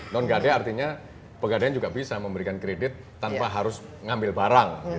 non gade artinya pegadaian juga bisa memberikan kredit tanpa harus ngambil barang